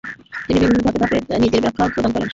তিনি বিভিন্ন ধাপে ধাপে তার নীতির ব্যাখ্যা প্রদান করেন।